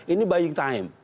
ini buying time